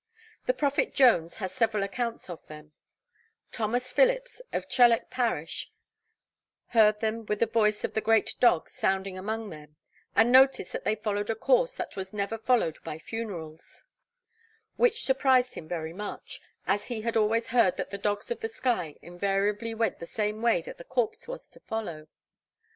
The Prophet Jones has several accounts of them: Thomas Phillips, of Trelech parish, heard them with the voice of the great dog sounding among them, and noticed that they followed a course that was never followed by funerals, which surprised him very much, as he had always heard that the Dogs of the Sky invariably went the same way that the corpse was to follow.